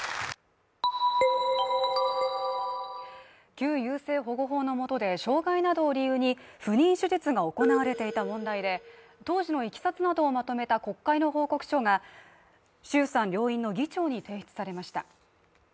旧優生保護法のもとで障害などを理由に不妊手術が行われていた問題で、国会の報告書が衆参両院の議長に提出されました。